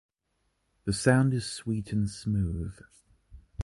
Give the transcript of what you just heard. The sound is sweet and smooth.